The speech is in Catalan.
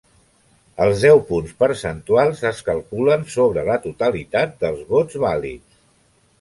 Els deu punts percentuals es calculen sobre la totalitat dels vots vàlids.